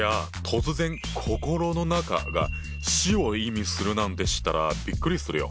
突然「心の中」が「死」を意味するなんて知ったらびっくりするよ。